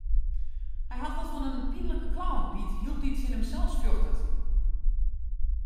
Hy hat wat fan in pynlike clown dy't hieltyd tsjin himsels fjochtet.